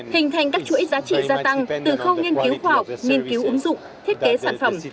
hình thành các chuỗi giá trị gia tăng từ khâu nghiên cứu khoa học nghiên cứu ứng dụng thiết kế sản phẩm